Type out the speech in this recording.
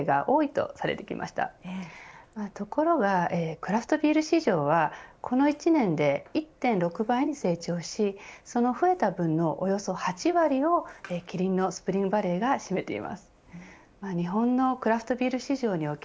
ところがクラフトビール市場はこの１年で１．６倍に成長しその増えた分のおよそ８割をキリンのスプリングバレーが占めています。